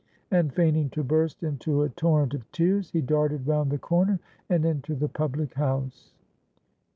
And, feigning to burst into a torrent of tears, he darted round the corner and into the public house.